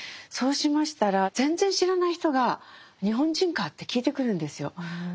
そうしましたら全然知らない人が「日本人か？」って聞いてくるんですよ。